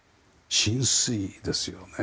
親水ですよね。